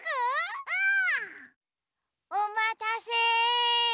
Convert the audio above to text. おまたせ！